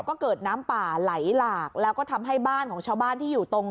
ก็เกิดน้ำป่าไหลหลากแล้วก็ทำให้บ้านของชาวบ้านที่อยู่ตรง